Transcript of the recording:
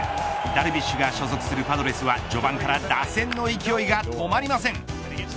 ダルビッシュが所属するパドレスは序盤から打線の勢いが止まりません。